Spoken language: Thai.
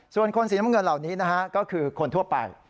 ส่วนคนสีน้ำเงินเหล่านี้นะฮะก็คือคนทั่วไป